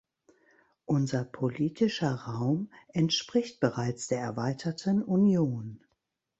Unser politischer Raum entspricht bereits der erweiterten Union.